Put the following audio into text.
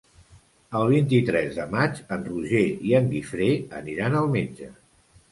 El vint-i-tres de maig en Roger i en Guifré aniran al metge.